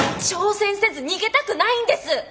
挑戦せず逃げたくないんです！